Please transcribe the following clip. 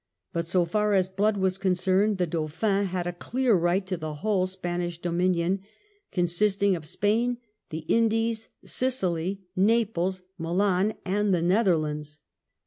But so far as blood was concerned the Dauphin had a clear right to the whole Spanish dominion, consisting of Spain, the Indies, Sicily, Naples, Milan and the Netherlands.